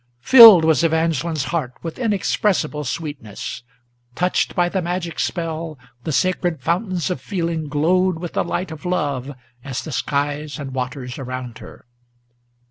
Filled was Evangeline's heart with inexpressible sweetness. Touched by the magic spell, the sacred fountains of feeling Glowed with the light of love, as the skies and waters around her.